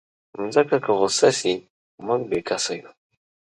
مځکه که غوسه شي، موږ بېکسه یو.